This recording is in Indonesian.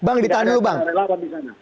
nggak ada relawan di sana